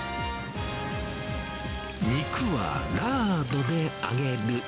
肉はラードで揚げる。